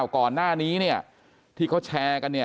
ก่อนหน้านี้เนี่ยที่เขาแชร์กันเนี่ย